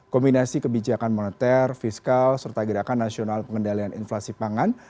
kombinasi kebijakan moneter fiskal serta gerakan nasional pengendalian inflasi pangan